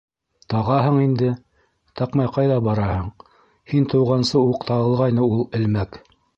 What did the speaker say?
Тағаһың инде... таҡмай ҡайҙа бараһың? һин тыуғансы уҡ тағылғайны ул элмәк.